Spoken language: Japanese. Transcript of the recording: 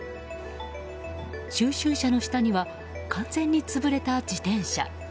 収集車の下には完全に潰れた自転車。